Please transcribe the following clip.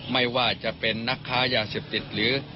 ไม่ว่าจะเป็นนักค้ายาเสพติดหรือ